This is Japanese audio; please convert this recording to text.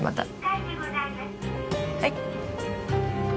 はい。